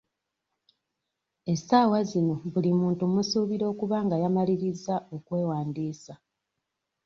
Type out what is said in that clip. Essaawa zino buli muntu mmusuubira okuba nga yamalirizza okwewandiisa.